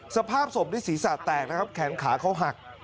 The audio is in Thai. สภาพศพนี่ศีรษะแตกนะครับแขนขาเขาหัก